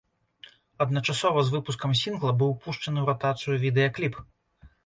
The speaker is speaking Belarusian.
Адначасова з выпускам сінгла быў пушчаны ў ратацыю відэакліп.